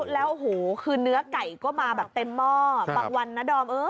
แล้วโอ้โหคือเนื้อไก่ก็มาแบบเต็มหม้อบางวันนะดอม